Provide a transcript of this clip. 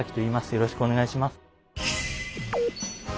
よろしくお願いします。